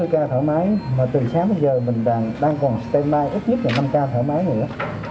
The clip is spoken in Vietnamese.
bảy mươi ca thở máy mà từ sáng tới giờ mình đang còn stand by ít nhất là năm ca thở máy nữa